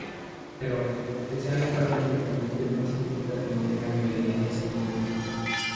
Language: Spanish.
Pero, que sean en parte independientes no significa que no tengan elementos en común.